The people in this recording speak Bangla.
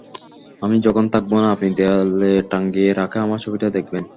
আমি যখন থাকব না, আপনি দেয়ালে টাঙিয়ে রাখা আমার ছবিটা দেখবেন।